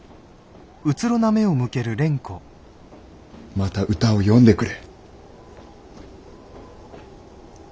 また歌を詠んでくれ。